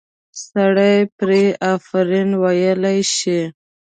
سړی پرې آفرین ویلی شي.